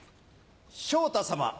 昇太様